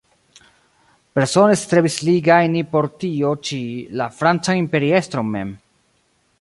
Persone strebis li gajni por tio ĉi la francan imperiestron mem.